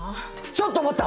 ちょっと待った！